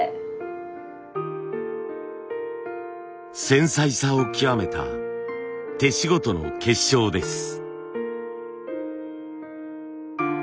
繊細さを極めた手仕事の結晶です。